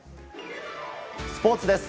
スポーツです。